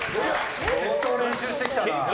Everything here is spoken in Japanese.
相当練習してきたな。